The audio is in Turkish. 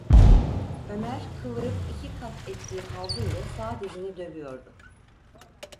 Ömer kıvırıp iki kat ettiği havlu ile sağ dizini dövüyordu.